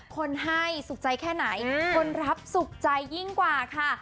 คนให้สุขใจแค่ไหนคนรับสุขใจยิ่งกว่าค่ะ